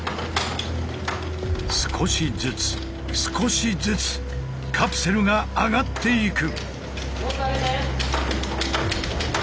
少しずつ少しずつカプセルが上がっていく。